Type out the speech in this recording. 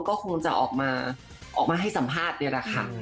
ก็คงจะออกมาให้สัมภาษณ์เนี่ยแหละค่ะ